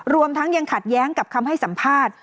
รวมทั้งยังขัดแย้งกับคำให้สัมภาษณ์